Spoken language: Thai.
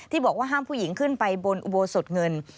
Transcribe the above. บอกว่าห้ามผู้หญิงขึ้นไปบนอุโบสถเงิน